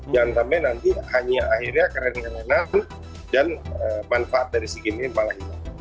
jangan sampai nanti hanya akhirnya keren kerenan dan manfaat dari sea games ini malah hilang